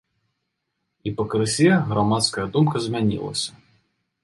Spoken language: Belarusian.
І пакрысе грамадская думка змянілася.